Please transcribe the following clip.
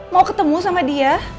mau ketemu sama dia